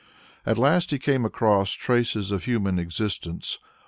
At last he came across traces of human existence.